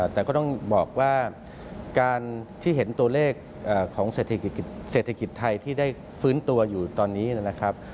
แต่ก็ต้องบอกว่าการที่เห็นตัวเลขของเศรษฐกิจเศรษฐกิจไทยที่ได้ฟื้นตัวอยู่ตอนนี้นะครับ